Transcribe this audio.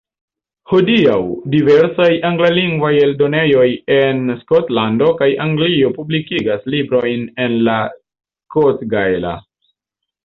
Hodiaŭ diversaj anglalingvaj eldonejoj en Skotlando kaj Anglio publikigas librojn en la skotgaela.